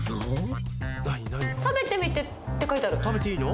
「食べてみて！」って書いてある。